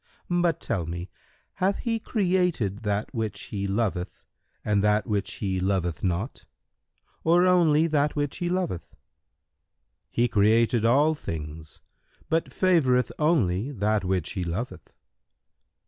But tell me, hath He created that which He loveth and that which He loveth not or only that which He loveth?"—"He created all things, but favoureth only that which he loveth."